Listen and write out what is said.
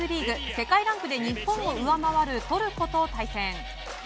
世界ランクで日本を上回るトルコと対戦。